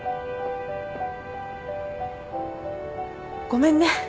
ごめんね。